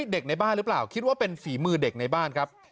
ในบ้านหรือเปล่าคิดว่าเป็นฝีมือเด็กในบ้านครับ